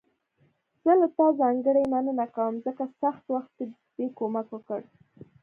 زه له تا ځانګړي مننه کوم، ځکه سخت وخت کې دې کومک وکړ.